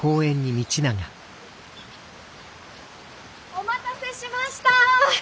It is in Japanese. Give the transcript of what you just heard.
お待たせしました！